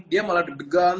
dia malah deg degan